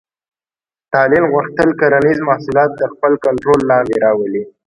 ستالین غوښتل کرنیز محصولات تر خپل کنټرول لاندې راولي